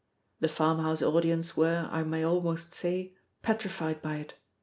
The farmhouse audience were, I may almost say, petrified by it.